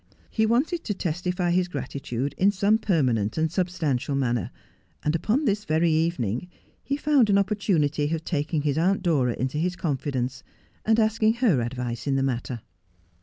He wanted to testify his grati tude in some permanent and substantial manner; and upon this very evening he found an opportunity of taking his aunt Dora into his confidence, and asking her advice in the matter.